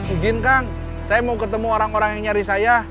ijin kang saya mau ketemu orang orang yang nyari saya